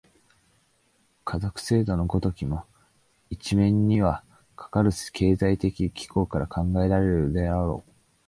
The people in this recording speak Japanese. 家族制度の如きも、一面にはかかる経済的機構から考えられるであろう。